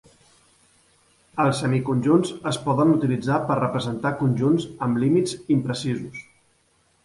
Els semiconjunts es poden utilitzar per representar conjunts amb límits imprecisos.